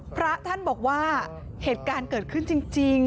พระท่านบอกว่าเหตุการณ์เกิดขึ้นจริง